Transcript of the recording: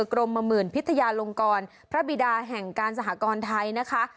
กรมหมื่นพิทยาลงกรพระบิดาแห่งการสหกรณ์ไทยนะคะ